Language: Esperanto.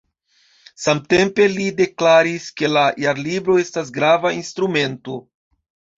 Samtempe li deklaris, ke la Jarlibro estas grava instrumento.